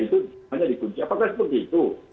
itu hanya dikunci apakah seperti itu